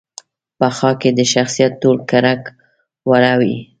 په خاکه کې د شخصیت ټول کړه وړه وي.